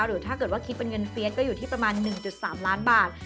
หรือถ้าเกิดว่าคิดเป็นเงินเฟียสก็อยู่ที่ประมาณ๑๓ล้านบาท